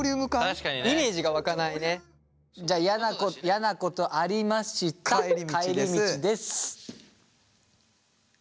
じゃあやなことありました帰り道です。